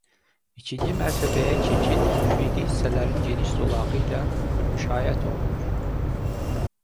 İkinci mərtəbəyə keçid üfüqi hissələrin geniş zolağı ilə müşayiət olunur.